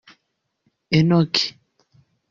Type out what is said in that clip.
Enoki